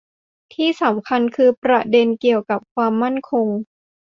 ที่สำคัญคือประเด็นเกี่ยวกับความมั่นคง